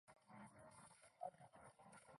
夜晚不会孤单